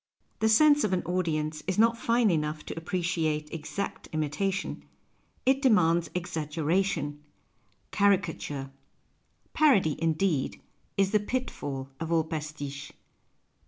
The sense of an audience is not line enough to appreciate exact imitation ; it demands exaggeration, caricature. PASTICHE AND PllEJUDICE Parody, indeed, is tiic pitfall of all pastiche.